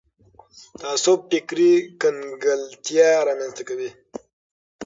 تعصب فکري کنګلتیا رامنځته کوي